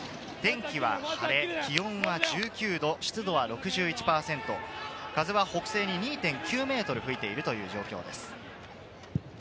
天気は晴れ、気温は１９度、湿度は６１％、風は北西に２．９メートル吹いているという状況です。